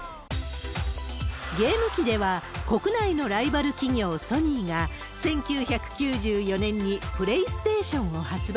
ゲーム機では、国内のライバル企業、ソニーが、１９９４年にプレイステーションを発売。